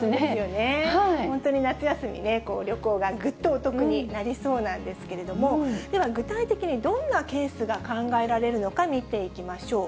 本当に夏休み、旅行がぐっとお得になりそうなんですけれども、では、具体的にどんなケースが考えられるのか見ていきましょう。